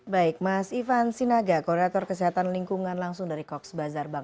baik mas ivan sinaga koordinator kesehatan lingkungan langsung dari coach bazar